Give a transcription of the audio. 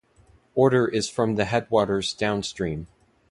Order is from the headwaters downstream.